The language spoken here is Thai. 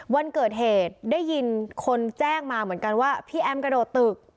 วันเกิดเหตุได้ยินคนแจ้งมาเหมือนกันว่าพี่แอมกระโดดตึก